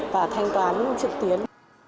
và thanh toán trực tiếp